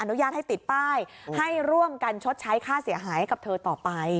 อุญาตให้ติดป้ายให้ร่วมกันชดใช้ค่าเสียหายให้กับเธอต่อไป